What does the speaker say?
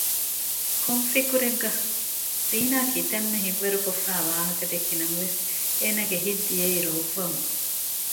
ކޮން ފިކުރެއްގަ؟ ; ޒީނާ ކިތައްމެ ހިތްވަރުކޮށްފައި ވާހަކަ ދެއްކި ނަމަވެސް އޭނަގެ ހިތް ދިޔައީ ރޮއްވަމުން